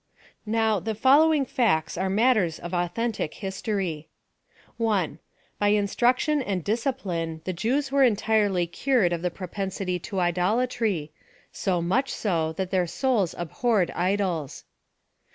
Now the foUowinor facts are matters of authentic history. 1. By instruction and discipline the Jews were entirely cured of the propensity to idolatry — so much so that their souls abhorred idols.